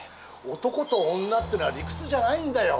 男と女ってのは理屈じゃないんだよ。